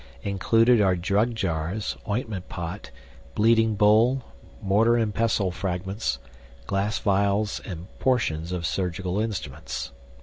INCLUDED ARE DRUG JARS, OINTMENT POT, BLEEDING BOWL, MORTAR AND PESTLE FRAGMENTS, GLASS VIALS, AND PORTIONS OF SURGICAL INSTRUMENTS.